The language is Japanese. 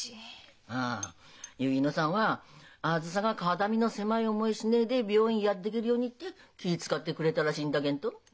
ああ薫乃さんはあづさが肩身の狭い思いしねえで病院やってけるようにって気ぃ遣ってくれたらしいんだげんと。